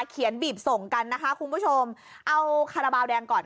บีบส่งกันนะคะคุณผู้ชมเอาคาราบาลแดงก่อน